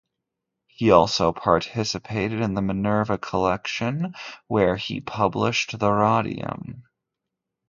He also participated in the Minerva Collection, where he published "The radium".